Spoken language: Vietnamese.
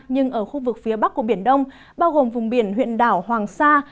nhưng ở khu vực phía bắc của biển đông bao gồm vùng biển huyện đảo hoàng sa